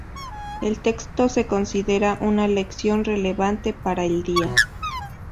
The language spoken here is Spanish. El texto se considera una lección relevante para el día.